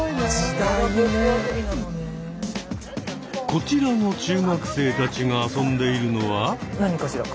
こちらの中学生たちが遊んでいるのは？